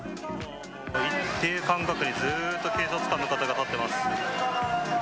一定間隔でずっと警察官の方が立っています。